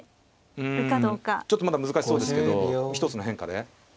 うんちょっとまだ難しそうですけど一つの変化で。